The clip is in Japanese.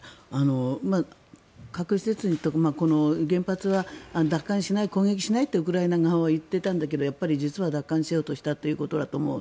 核施設とか原発は奪還しない、攻撃しないとウクライナ側は言っていたんだけど実は奪還しようとしたということだと思う。